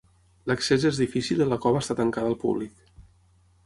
L'accés és difícil i la cova està tancada al públic.